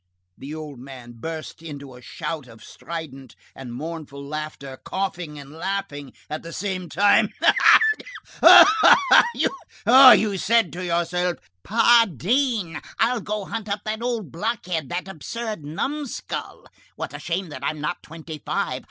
The old man burst into a shout of strident and mournful laughter, coughing and laughing at the same time. "Ah! ah! ah! You said to yourself: 'Pardine! I'll go hunt up that old blockhead, that absurd numskull! What a shame that I'm not twenty five!